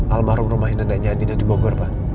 almarhum rumah neneknya andiena di bogor pa